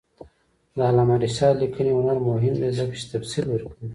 د علامه رشاد لیکنی هنر مهم دی ځکه چې تفصیل ورکوي.